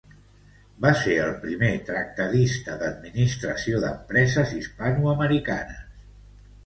Va ser el primer tractadista d'administració d'empreses hispanoamericanes.